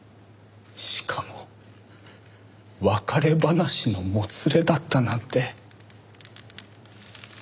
しかも別れ話のもつれだったなんて。